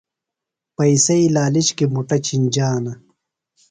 پئیسئی لالچ کیۡ مُٹہ چِھنجانہ۔